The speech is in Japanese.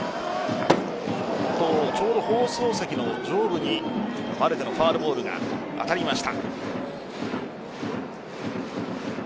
ちょうど放送席の上部にマルテのファウルボールが当たりました。